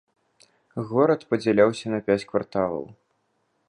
Горад падзяляўся на пяць кварталаў.